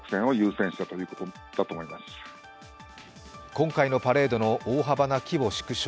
今回のパレードの大幅な規模縮小。